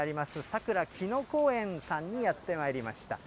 佐倉きのこ園さんにやってまいりました。